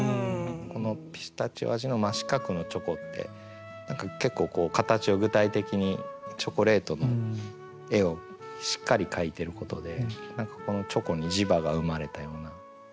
この「ピスタチオ味の真四角のチョコ」って結構形を具体的にチョコレートの絵をしっかり書いてることで何かこのチョコに磁場が生まれたような。